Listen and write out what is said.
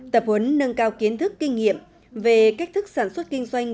tập huấn nâng cao kiến thức kinh nghiệm về cách thức sản xuất kinh doanh